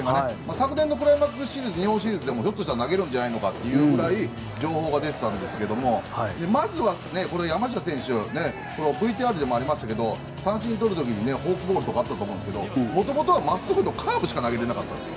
昨年の日本シリーズでもひょっとしたら投げるんじゃないかというぐらい情報が出てたんですがまずは山下選手ＶＴＲでもありましたけど三振をとる時フォークボールだったと思いますがもともとはまっすぐとカーブしか投げられなかったんです。